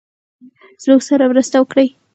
زموږ سره مرسته وکړی.